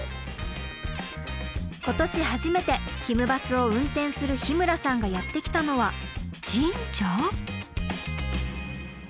今年初めてひむバスを運転する日村さんがやって来たのは神社？